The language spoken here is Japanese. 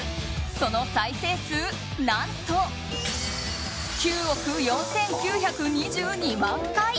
その再生数何と９億４９２２万回。